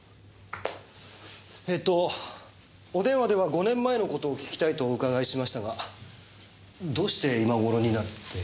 えとお電話では５年前のことを聞きたいとお伺いしましたがどうして今頃になって？